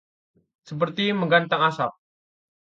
Seperti menggantang asap